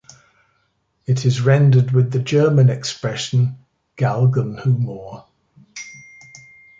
It is rendered with the German expression "Galgenhumor".